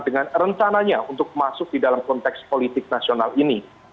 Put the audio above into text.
dengan rencananya untuk masuk di dalam konteks politik nasional ini